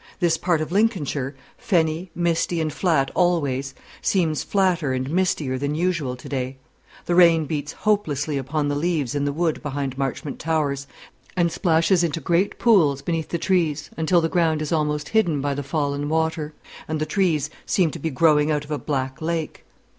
This part of Lincolnshire fenny, misty, and flat always seems flatter and mistier than usual to day. The rain beats hopelessly upon the leaves in the wood behind Marchmont Towers, and splashes into great pools beneath the trees, until the ground is almost hidden by the fallen water, and the trees seem to be growing out of a black lake.